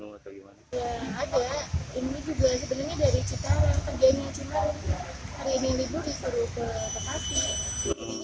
kerjaan yang cuma hari ini libur disuruh ke bekasi